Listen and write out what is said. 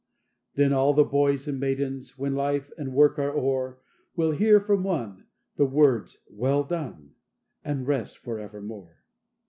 "Then all the boys and maidens, When life and work are o'er, Will hear from One, the words 'Well done,' And rest for evermore."